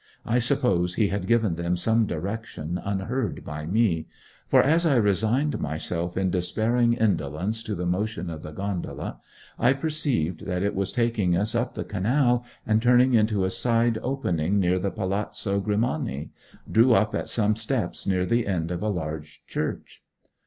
I suppose he had given them some direction unheard by me, for as I resigned myself in despairing indolence to the motion of the gondola, I perceived that it was taking us up the Canal, and, turning into a side opening near the Palazzo Grimani, drew up at some steps near the end of a large church.